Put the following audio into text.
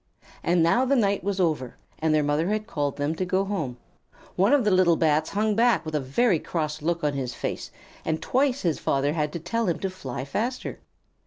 And now the night was over and their mother had called them to go home. One of the little Bats hung back with a very cross look on his face, and twice his father had to tell him to fly faster.